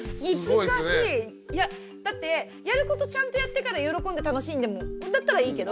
いやだってやることちゃんとやってから喜んで楽しんでもだったらいいけど。